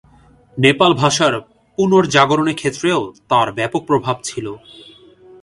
নেপাল ভাষার পুনর্জাগরণের ক্ষেত্রেও তার ব্যাপক প্রভাব ছিল।